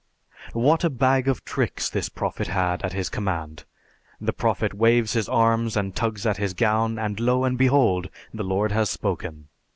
What a bag of tricks this Prophet had at his command! The Prophet waves his arms and tugs at his gown, and lo and behold! The Lord has spoken!